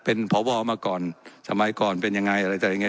เป็นพบมาก่อนสมัยก่อนเป็นยังไงอะไรแบบเนี้ย